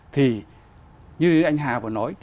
thì như anh hà vừa nói